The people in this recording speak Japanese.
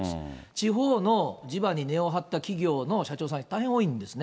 地方の地場に根を張った企業の社長さん、大変多いんですね。